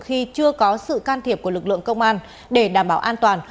khi chưa có sự can thiệp của lực lượng công an để đảm bảo an toàn